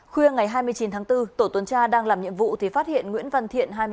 khuya ngày hai mươi chín tháng bốn tổ tuần tra đang làm nhiệm vụ thì phát hiện nguyễn văn thiện